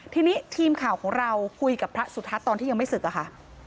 ทีนี้ทีมข่าวของเราคุยกับพระสุทัศน์ตอนที่ยังไม่ศึกอะค่ะ